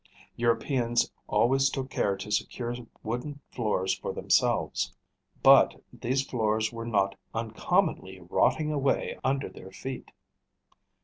Europeans always took care to secure wooden floors for themselves; but these floors were not uncommonly rotting away under their feet.